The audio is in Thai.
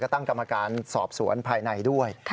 ตั้งกรรมการสอบสวนภายในด้วย